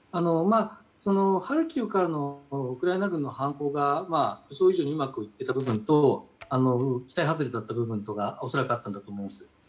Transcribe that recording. ハルキウからのウクライナ軍の反攻が予想以上にうまくいっていた部分と期待外れだった部分があったん団と思います。